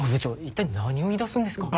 一体何を言い出すんですか？